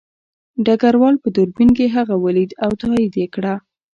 ډګروال په دوربین کې هغه ولید او تایید یې کړه